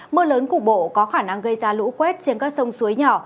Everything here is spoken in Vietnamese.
mưa lớn cục bộ có khả năng gây ra lũ quét trên các sông suối nhỏ